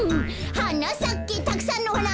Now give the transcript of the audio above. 「はなさけたくさんのはな」